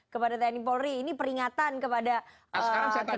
bapak dhani polri ini peringatan kepada kekuasaan